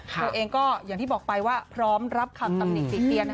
ตัวเองก็อย่างที่บอกไปว่าพร้อมรับคำตำหนิติเตียน